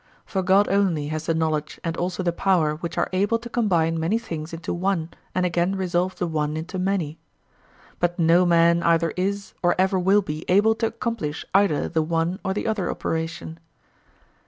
For God only has the knowledge and also the power which are able to combine many things into one and again resolve the one into many. But no man either is or ever will be able to accomplish either the one or the other operation.